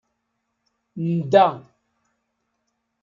Ndda.